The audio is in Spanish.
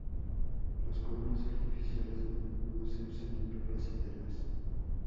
Los cueros artificiales a menudo se usan en ropas y telas.